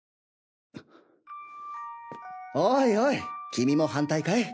おいおい君も反対かい？